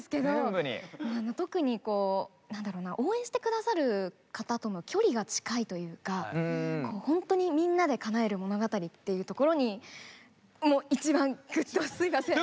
特にこう何だろうな応援して下さる方との距離が近いというかこうほんとに「みんなで叶える物語」っていうところにもう一番ぐっとすいません。